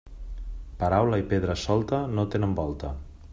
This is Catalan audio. Paraula i pedra solta, no tenen volta.